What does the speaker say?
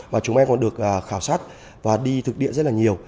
và chúng em còn được khảo sát và đi thực địa rất là nhiều